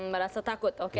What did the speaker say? merasa takut oke